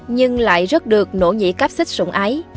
nhưng lại rất được nỗ nhĩ cáp xích sủng ái